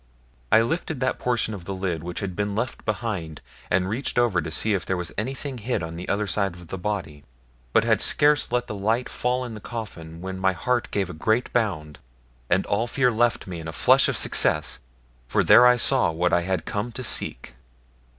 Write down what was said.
I lifted that portion of the lid which had been left behind, and reached over to see if there was anything hid on the other side of the body; but had scarce let the light fall in the coffin when my heart gave a great bound, and all fear left me in the flush of success, for there I saw what I had come to seek.